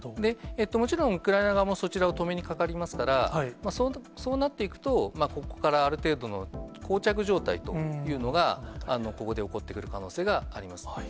もちろんウクライナ側もそちらを止めにかかりますから、そうなっていくと、ここからある程度のこう着状態というのが、ここで起こってくる可能性があります。